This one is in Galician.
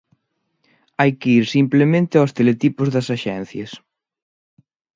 Hai que ir simplemente aos teletipos das axencias.